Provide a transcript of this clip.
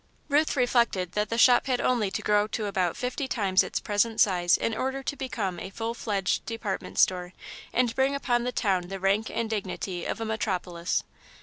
Ruth reflected that the shop had only to grow to about fifty times its present size in order to become a full fledged department store and bring upon the town the rank and dignity of a metropolis.